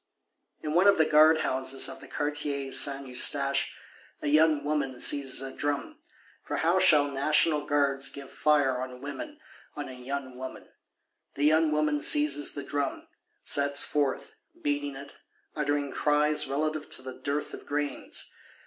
In one of the Guardhouses of the Quartier Saint Eustache, "a young woman" seizes a drum,—for how shall National Guards give fire on women, on a young woman? The young woman seizes the drum; sets forth, beating it, "uttering cries relative to the dearth of grains."